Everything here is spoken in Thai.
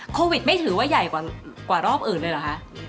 โควิดไม่ถือว่าใหญ่กว่ารอบอื่นเลยเหรอคะ